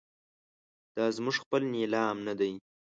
دا زموږ خپل نیلام نه دی.